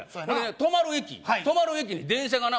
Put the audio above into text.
止まる駅止まる駅に電車がな